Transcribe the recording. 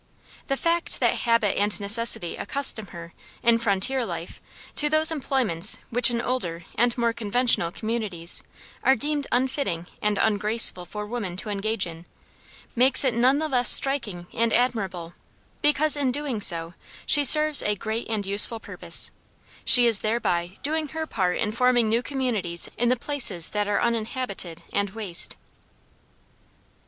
The fact that habit and necessity accustom her, in frontier life, to those employments which in older and more conventional communities are deemed unfitting and ungraceful for woman to engage in, makes it none the less striking and admirable, because in doing so she serves a great and useful purpose; she is thereby doing her part in forming new communities in the places that are uninhabited and waste.